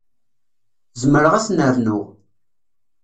Zemreɣ ad ten-rnuɣ.